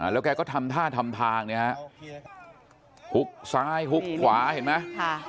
แล้วแกก็ทำท่าทำทางเนี่ยฮะหุกซ้ายหุกขวาเห็นไหม